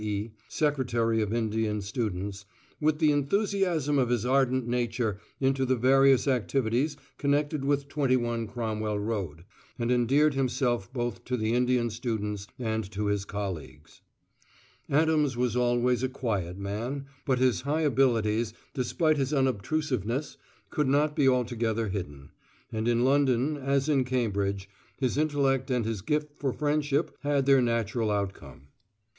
E., Secretary of Indian Students, "with the enthusiasm of his ardent nature into the various activities connected with 21 Cromwell Road, and endeared himself both to the Indian students and to his colleagues." Adams was always a quiet man, but his high abilities, despite his unobtrusiveness, could not be altogether hidden; and in London, as in Cambridge, his intellect and his gift for friendship had their natural outcome.